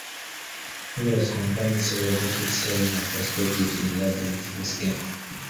"Obitus" combines several graphics styles and perspectives in a labyrinth-base game.